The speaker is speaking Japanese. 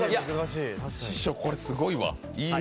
師匠、これすごいわ。